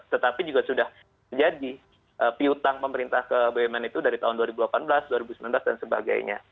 tetapi juga sudah terjadi piutang pemerintah ke bumn itu dari tahun dua ribu delapan belas dua ribu sembilan belas dan sebagainya